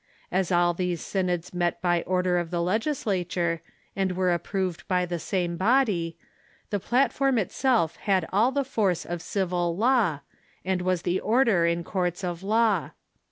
As all these synods met by order of the legislature, and were approved by the same body, the platform itself had all the force of civil law, and was the order in courts of law.